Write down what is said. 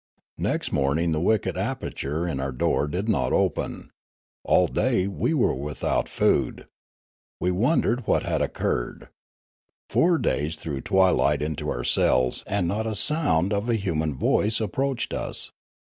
Next morning the wicket aperture in our door did not open. All day we were without food. We wondered what had occurred. Four days threw their twilight into our cells, and not a sound of human voice ap proached us.